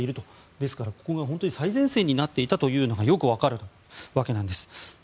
ですからここが最前線になっていたということがよく分かるわけなんです。